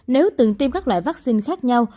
nếu từng tiêm các loại vaccine khác nhau